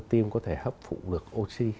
tiên có thể hấp phụ được oxy